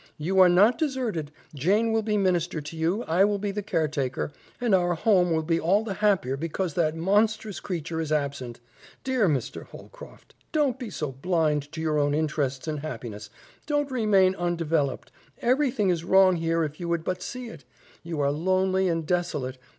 You are not deserted. Jane will minister to you; I will be the caretaker, and our home will be all the happier because that monstrous creature is absent. Dear Mr. Holcroft, don't be so blind to your own interests and happiness, don't remain undeveloped! Everything is wrong here if you would but see it. You are lonely and desolate.